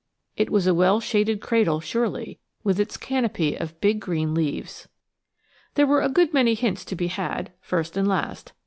It was a well shaded cradle surely, with its canopy of big green leaves. There were a good many hints to be had, first and last.